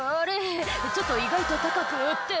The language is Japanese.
ちょっと意外と高くって」